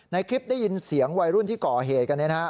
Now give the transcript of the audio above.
ในคลิปได้ยินเสียงวัยรุ่นที่ก่อเหตุกันเนี่ยนะฮะ